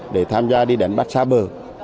để tham gia đi đánh bắt xa bờ